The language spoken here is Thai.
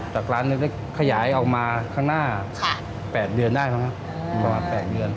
จากร้านเล็กขยายเอามาข้างหน้า๘เดือนได้ครับประมาณ๘เดือน